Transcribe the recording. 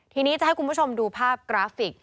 ทีนี้จะให้คุณผู้ชมดูภาพกราฟิก